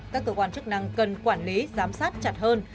các cơ quan chức năng cần quản lý giám sát chặt hơn